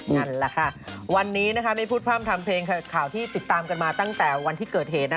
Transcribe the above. นั่นแหละค่ะวันนี้ไม่พูดพร่ำทำเพลงข่าวที่ติดตามกันมาตั้งแต่วันที่เกิดเหตุ